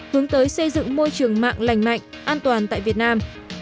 hướng tới xây dựng môi trường mạng lành mạnh an toàn tại việt nam